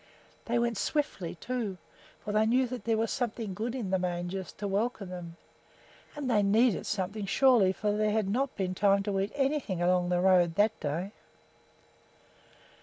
They went swiftly, too, for they knew that there was something good in the mangers to welcome them. And they needed something, surely, for there had not been time to eat anything along the road that day.